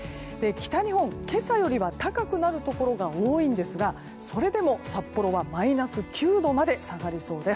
北日本、今朝よりは高くなるところが多いんですがそれでも札幌はマイナス９度まで下がりそうです。